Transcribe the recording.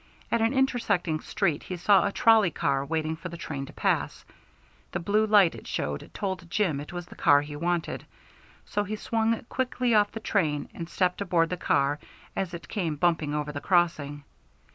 At an intersecting street he saw a trolley car waiting for the train to pass; the blue light it showed told Jim it was the car he wanted, so he swung quickly off the train and stepped aboard the car as it came bumping over the crossing.